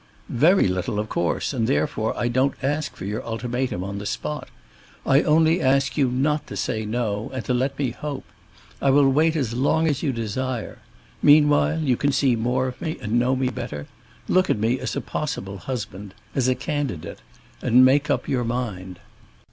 "Very little, of course, and therefore I don't ask for your ultimatum on the spot. I only ask you not to say no, and to let me hope. I will wait as long as you desire. Meanwhile you can see more of me and know me better, look at me as a possible husband—as a candidate—and make up your mind."